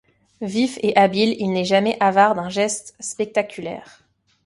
Vif et habile, il n'est jamais avare d'un geste spectaculaire.